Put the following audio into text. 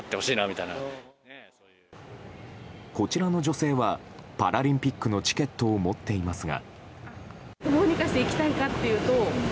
こちらの女性はパラリンピックのチケットを持っていますが。